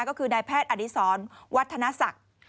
ก็คือนายแพทย์อดีศรวัฒนศักดิ์